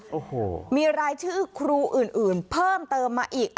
โอ้โหมีรายชื่อครูอื่นเพิ่มเติมมาอีก